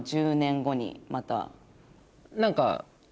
１０年後にまた。